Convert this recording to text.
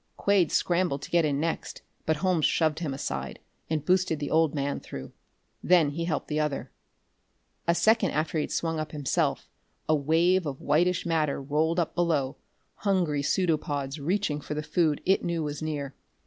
Quade scrambled to get in next, but Holmes shoved him aside and boosted the old man through. Then he helped the other. A second after he had swung himself up, a wave of whitish matter rolled up below, hungry pseudopods reaching for the food it knew was near.